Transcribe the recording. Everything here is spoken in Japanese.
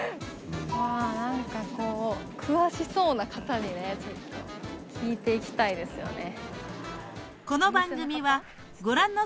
まぁ何かこう詳しそうな方にね聞いていきたいですよね。